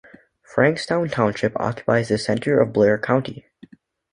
Frankstown Township occupies the center of Blair County.